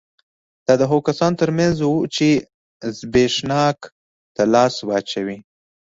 دا د هغو کسانو ترمنځ وو چې زبېښاک ته لاس واچوي